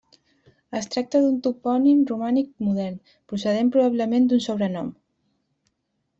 Es tracta d'un topònim romànic modern, procedent probablement d'un sobrenom.